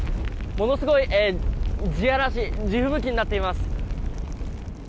ものすごい地吹雪になっています。